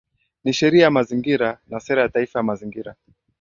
Ni sheria ya Mazingira na Sera ya Taifa ya Mazingira